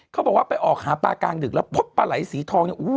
เขาบอกว่าไปออกหาปลากลางดึกแล้วพบปลาไหลสีทองเนี่ย